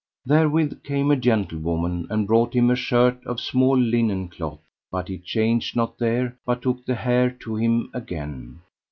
Therewith came a gentlewoman and brought him a shirt of small linen cloth, but he changed not there, but took the hair to him again.